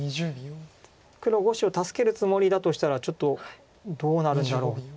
黒５子を助けるつもりだとしたらちょっとどうなるんだろうと。